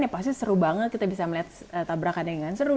ya pasti seru banget kita bisa melihat tabrakan yang enggak seru